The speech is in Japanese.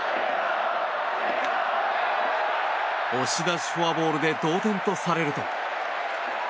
押し出しフォアボールで同点とされると。